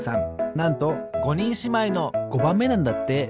なんと５にんしまいの５ばんめなんだって。